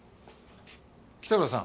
北浦さん